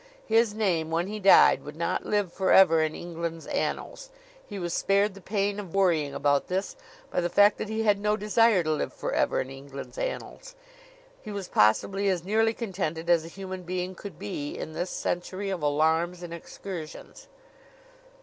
His name, when he died, would not live forever in England's annals; he was spared the pain of worrying about this by the fact that he had no desire to live forever in England's annals. He was possibly as nearly contented as a human being could be in this century of alarms and excursions.